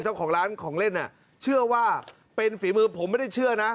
เจ้าของร้านของเล่นเชื่อว่าเป็นฝีมือผมไม่ได้เชื่อนะ